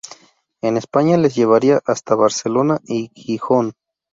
En España les llevaría hasta Barcelona y Gijón.